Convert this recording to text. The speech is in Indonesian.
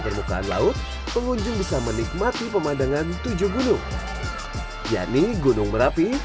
permukaan laut pengunjung bisa menikmati pemandangan tujuh gunung yakni gunung merapi